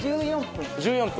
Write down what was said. １４分。